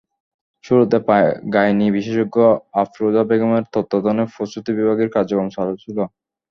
শুরুতে গাইনি বিশেষজ্ঞ আফরোজা বেগমের তত্ত্বাবধানে প্রসূতি বিভাগের কার্যক্রম চালু ছিল।